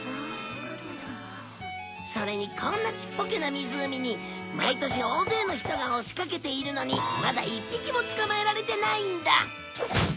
それにこんなちっぽけな湖に毎年大勢の人が押しかけているのにまだ一匹も捕まえられてないんだ。